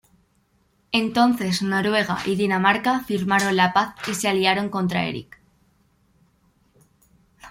Entonces Noruega y Dinamarca firmaron la paz y se aliaron contra Erik.